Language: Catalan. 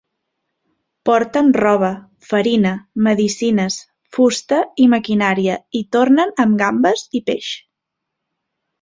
Porten roba, farina, medicines, fusta i maquinària i tornen amb gambes i peix.